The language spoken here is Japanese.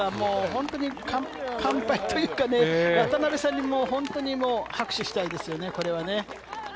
本当に完敗というか、渡邉さんに拍手したいですよね、これはね。